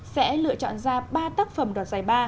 sẽ lựa chọn ra ba tác phẩm đoạt giải ba